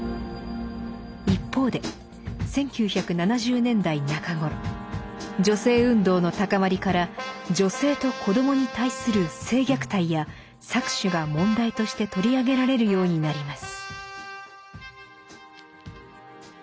一方で１９７０年代中ごろ女性運動の高まりから女性と子どもに対する性虐待や搾取が問題として取り上げられるようになります。